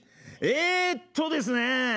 えっとですね。